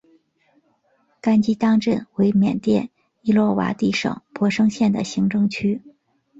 甘基当镇为缅甸伊洛瓦底省勃生县的行政区。